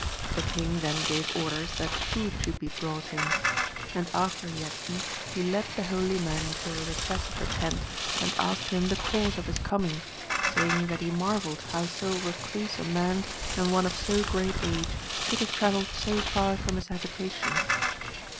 The king then gave orders that food should be brought him ; and after he had eat, he led the holy man into a recess of the tent and asked him the cause of his coming, saying that he marvelled how so recluse a man and one of so great age should have travelled so far from his habitation.